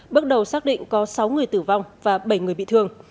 bước đầu xác định có sáu người tử vong và bảy người bị thương